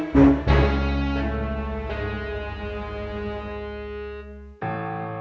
aduh kacau tapi pak